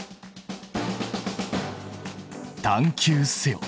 探究せよ！